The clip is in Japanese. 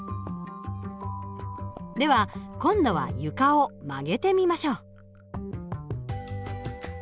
では今度は床を曲げてみましょう。